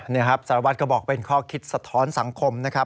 นี่ครับสารวัตรก็บอกเป็นข้อคิดสะท้อนสังคมนะครับ